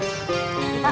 sekarang kumpulkan ya